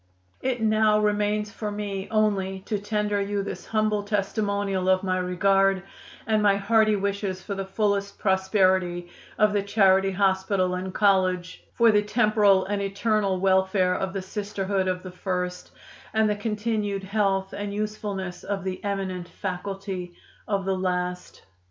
"It now remains for me only to tender you this humble testimonial of my regard and my hearty wishes for the fullest prosperity of the Charity Hospital and College, for the temporal and eternal welfare of the Sisterhood of the first, and the continued health and usefulness of the eminent faculty of the last."